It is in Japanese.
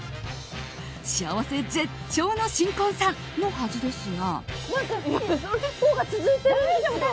幸せ絶頂の新婚さんのはずですが。